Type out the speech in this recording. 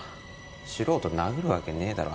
素人殴るわけねえだろ。